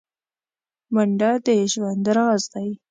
منډه د ژوند راز دی